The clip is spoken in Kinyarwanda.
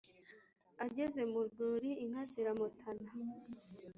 Ageze mu rwuri inka ziramutana